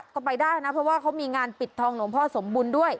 ก็ไปได้นะเพราะว่าเขามีงานปิดทองหลวงพ่อสมบุญด้วย